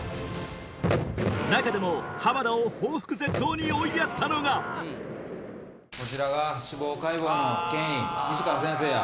中でも浜田を抱腹絶倒に追いやったのがこちらが司法解剖の権威西川先生や。